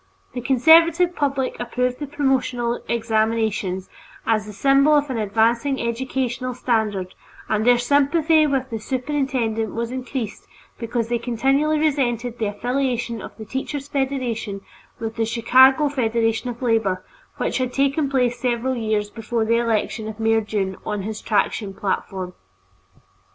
The conservative public approved the promotional examinations as the symbol of an advancing educational standard, and their sympathy with the superintendent was increased because they continually resented the affiliation of the Teachers' Federation with the Chicago Federation of Labor, which had taken place several years before the election of Mayor Dunne on his traction platform.